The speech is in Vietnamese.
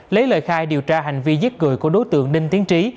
lấy lời khai điều tra hành vi giết người của đối tượng đinh tiến trí